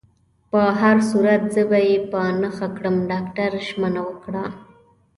په هر صورت، زه به يې په نښه کړم. ډاکټر ژمنه وکړه.